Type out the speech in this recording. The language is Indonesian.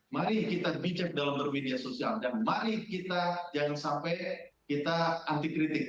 mari kita bijak dalam bermedia sosial dan mari kita jangan sampai kita anti kritik